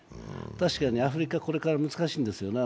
確かにアフリカ、これから難しいんですよね。